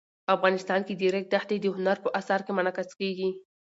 افغانستان کې د ریګ دښتې د هنر په اثار کې منعکس کېږي.